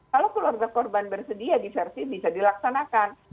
kalau keluarga korban bersedia di versi bisa dilaksanakan